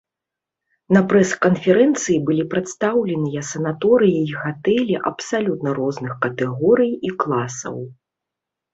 На прэс-канферэнцыі былі прадстаўленыя санаторыі і гатэлі абсалютна розных катэгорый і класаў.